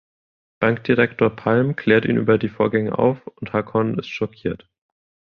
Bankdirektor Palm klärt ihn über die Vorgänge auf und Hakon ist schockiert.